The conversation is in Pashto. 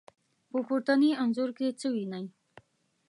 په پورتني انځور کې څه وينئ؟